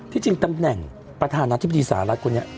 จริงตำแหน่งประธานาธิบดีสหรัฐคนนี้